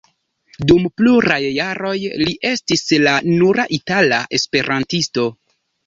Dum pluraj jaroj li estis la nura itala esperantisto.